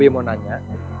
aku mau tanya